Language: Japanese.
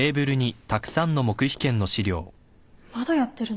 まだやってるの？